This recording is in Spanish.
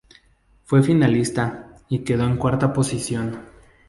Fue finalista y quedó en cuarta posición.